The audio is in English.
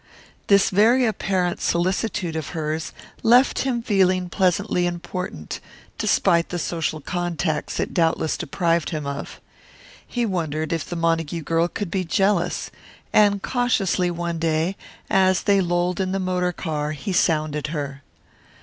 This very apparent solicitude of hers left him feeling pleasantly important, despite the social contacts it doubtless deprived him of. He wondered if the Montague girl could be jealous, and cautiously one day, as they lolled in the motor car, he sounded her.